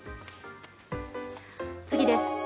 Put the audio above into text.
次です。